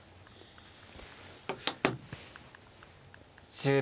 １０秒。